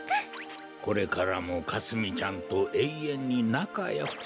これからもかすみちゃんとえいえんになかよくって。